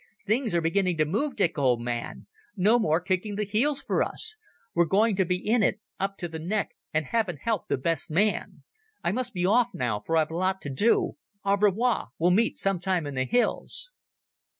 Things are beginning to move, Dick, old man. No more kicking the heels for us. We're going to be in it up to the neck, and Heaven help the best man ... I must be off now, for I've a lot to do. Au revoir. We meet some time in the hills."